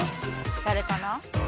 誰かな？